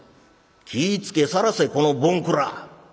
「気ぃ付けさらせこのぼんくら」。